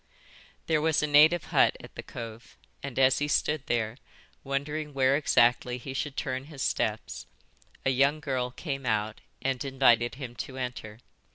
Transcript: "There was a native hut at the cove and as he stood there, wondering where exactly he should turn his steps, a young girl came out and invited him to enter.